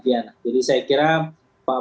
saatnya beliau saya kira pak prabowo